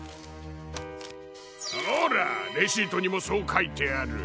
ほらレシートにもそうかいてある。